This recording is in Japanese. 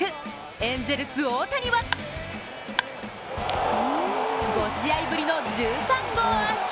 エンゼルス・大谷は５試合ぶりの１３号アーチ。